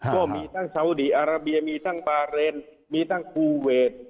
ก็มีดังเชาะดีอะไรบีมีตั้งฟาเรนมีตั้งคูเวท